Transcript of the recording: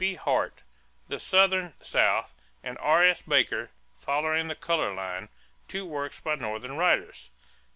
B. Hart, The Southern South and R.S. Baker, Following the Color Line (two works by Northern writers).